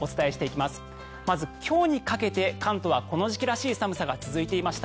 まず今日にかけて関東はこの時期らしい寒さが続いていました。